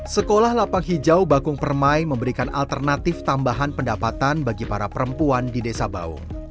sekolah lapak hijau bakung permai memberikan alternatif tambahan pendapatan bagi para perempuan di desa baung